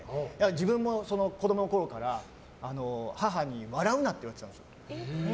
自分も子供のころから母に笑うなって言われてたんです。